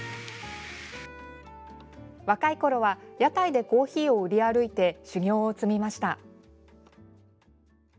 若いころは屋台でコーヒーを売り歩いて修業を積みました。